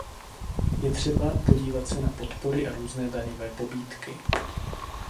Je třeba podívat se na podpory a různé daňové pobídky.